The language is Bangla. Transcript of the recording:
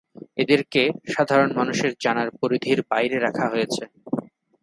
এদেরকে সাধারন মানুষের জানার পরিধির বাইরে রাখা হয়েছে।